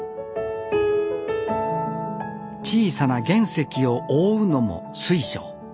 小さな原石を覆うのも水晶。